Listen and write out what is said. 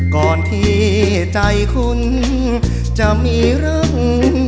ก่อนที่ใจคุณจะมีรัง